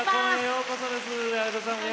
ようこそです。